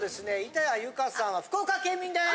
板谷由夏さんは福岡県民です！